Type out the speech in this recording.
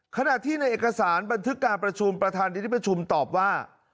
ขณะที่ในเอกสารบันทึกการประชุมประธานดิประชุมตอบว่า